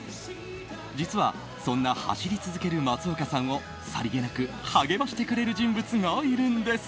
実はそんな走り続ける松岡さんをさりげなく励ましてくれる人物がいるんです。